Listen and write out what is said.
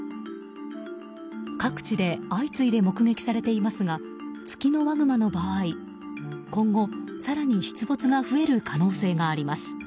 各地で相次いで目撃されていますがツキノワグマの場合今後、更に出没が増える可能性があります。